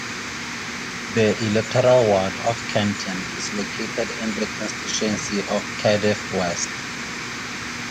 The electoral ward of Canton is located in the constituency of Cardiff West.